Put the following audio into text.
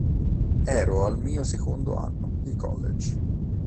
Ero al mio secondo anno di college.